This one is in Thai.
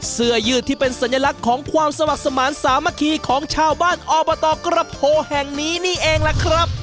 เสื้อยืดที่เป็นสัญลักษณ์ของความสมัครสมาธิสามัคคีของชาวบ้านอบตกระโพแห่งนี้นี่เองล่ะครับ